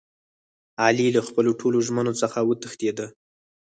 علي له خپلو ټولو ژمنو څخه و تښتېدا.